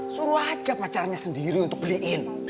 suruh aja pacarnya sendiri untuk beliin